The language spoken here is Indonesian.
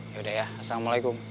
yaudah ya assalamualaikum